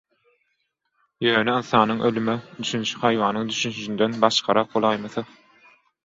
Ýöne ynsanyň ölüme düşünşi haýwanyň düşünşinden başgarak bolaýmasa.